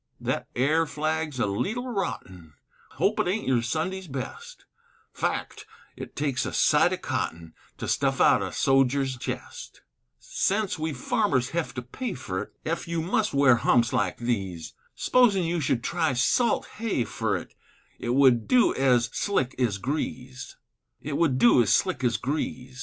Thet air flag's a leetle rotten, Hope it aint your Sunday's best; Fact! it takes a sight o' cotton To stuff out a soger's chest: Sence we farmers hev to pay fer 't, Ef you must wear humps like these, S'posin' you should try salt hay fer 't, It would du ez slick ez grease.